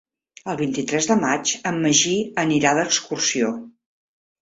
El vint-i-tres de maig en Magí anirà d'excursió.